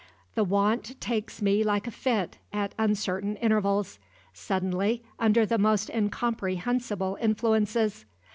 The want takes me like a fit, at uncertain intervals suddenly, under the most incomprehensible influences.